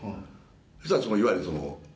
そしたらいわゆるその。